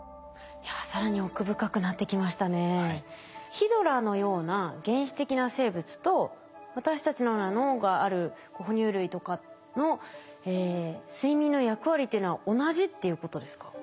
ヒドラのような原始的な生物と私たちのような脳がある哺乳類とかの睡眠の役割っていうのは同じっていうことですか？